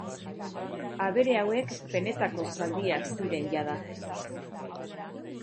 Abere hauek benetako zaldiak ziren jada.